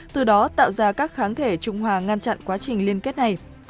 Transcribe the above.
từ đó tạo ra các kháng thể trung hòa ngăn chặn quá trình liên kết này